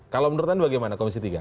kalau menurut anda bagaimana komisi tiga